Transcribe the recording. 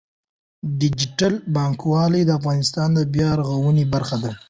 ډیجیټل بانکوالي د افغانستان د بیا رغونې برخه ده.